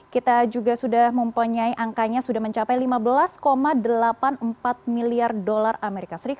kita juga sudah mempunyai angkanya sudah mencapai lima belas delapan puluh empat miliar dolar as